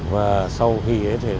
và sau khi